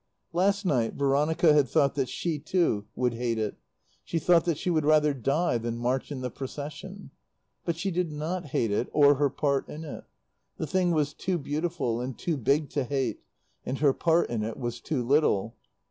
Last night Veronica had thought that she too would hate it; she thought that she would rather die than march in the Procession. But she did not hate it or her part in it. The thing was too beautiful and too big to hate, and her part in it was too little.